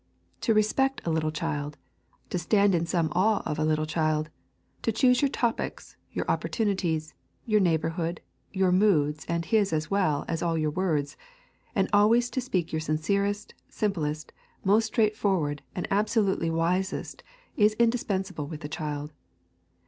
To respect a little child, to stand in some awe of a little child, to choose your topics, your opportunities, your neighbourhood, your moods and his as well as all your words, and always to speak your sincerest, simplest, most straightforward and absolutely wisest is indispensable with a child.